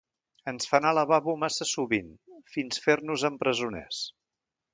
Ens fa anar al lavabo massa sovint, fins fer-nos-en presoners.